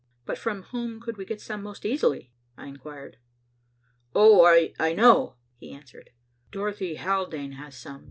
"But from whom could we get some most easily?" I inquired. "Oh! I know," he answered. "Dorothy Haldane has some.